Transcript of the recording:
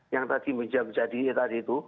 yang tadi bisa menjadi tadi itu